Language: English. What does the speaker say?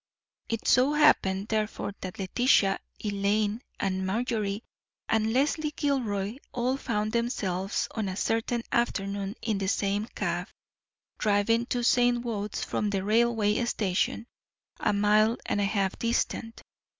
It so happened, therefore, that Letitia, Eileen, Marjorie, and Leslie Gilroy all found themselves on a certain afternoon in the same cab, driving to St. Wode's from the railway station, a mile and a half distant.